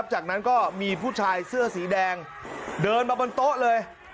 จากนั้นก็มีผู้ชายเสื้อสีแดงเดินมาบนโต๊ะเลย